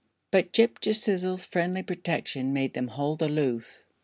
But Ghip Ghisizzle's friendly protection made them hold aloof.